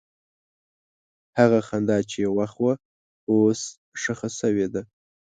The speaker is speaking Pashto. هغه خندا چې یو وخت وه، اوس ښخ شوې ده.